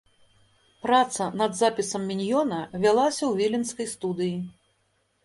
Праца над запісам міньёна вялася ў віленскай студыі.